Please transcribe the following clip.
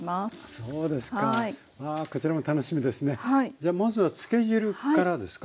じゃあまずはつけ汁からですか？